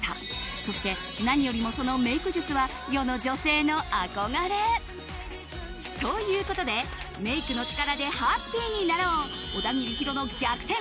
そして、何よりもそのメイク術は世の女性の憧れ。ということでメイクの力でハッピーになろう小田切ヒロの逆転！